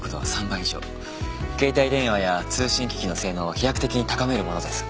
携帯電話や通信機器の性能を飛躍的に高めるものです。